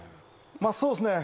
「まあそうっすね」